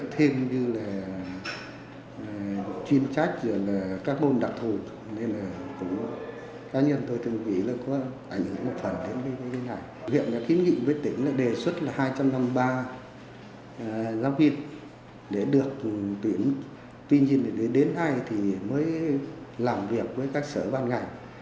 tuy nhiên đến nay thì mới làm việc với các sở ban ngành